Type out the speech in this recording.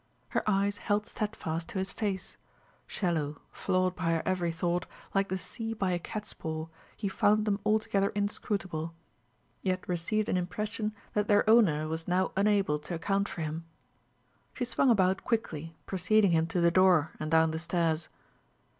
Her eyes held steadfast to his face; shallow, flawed by her every thought, like the sea by a cat's paw he found them altogether inscrutable; yet received an impression that their owner was now unable to account for him. She swung about quickly, preceding him to the door and down the stairs.